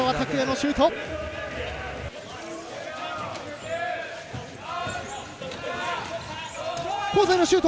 シュート！